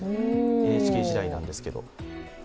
ＮＨＫ時代なんですけど。